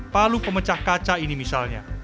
palu pemecah kaca ini misalnya